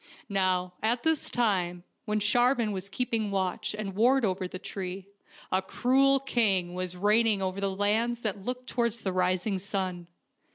Now, at this time, when Sharvan was keeping watch and ward over the tree, a cruel king was reigning over the lands that looked towards the rising sun.